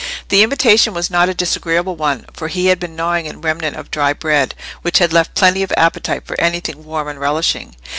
The invitation was not a disagreeable one, for he had been gnawing a remnant of dry bread, which had left plenty of appetite for anything warm and relishing.